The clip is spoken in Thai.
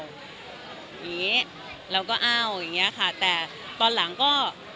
อย่างนี้เราก็อ้าวอย่างเงี้ยค่ะแต่ตอนหลังก็